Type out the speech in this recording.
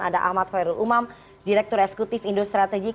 ada ahmad khairul umam direktur eksekutif indo strategik